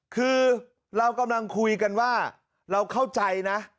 คือเรากำลังคุยกันว่าเราเข้าใจนะ